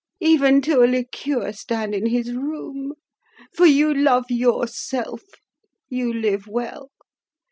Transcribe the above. even to a liqueur stand in his room! For you love yourself; you live well.